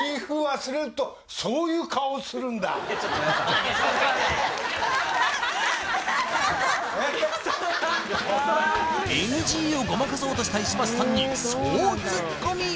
それはそれはずるいＮＧをごまかそうとした石橋さんに総ツッコミ！